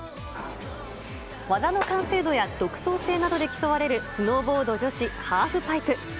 技の完成度や独創性などで競われるスノーボード女子ハーフパイプ。